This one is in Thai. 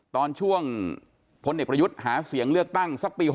ตอนช่วงพลเอกประยุทธ์หาเสียงเลือกตั้งสักปี๖๐